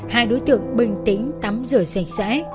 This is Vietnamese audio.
hai đối tượng bình tĩnh tắm rửa sạch sẽ